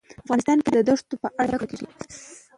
افغانستان کې د دښتو په اړه زده کړه کېږي.